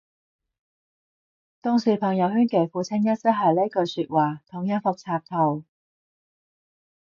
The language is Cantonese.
當時朋友圈幾乎清一色係呢句說話同一幅插圖